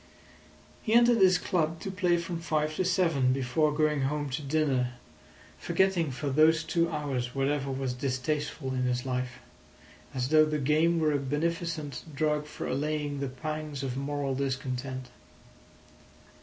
He entered his club to play from five to seven, before going home to dinner, forgetting for those two hours whatever was distasteful in his life, as though the game were a beneficent drug for allaying the pangs of moral discontent.